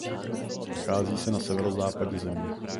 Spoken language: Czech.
Nachází se na severozápadě země.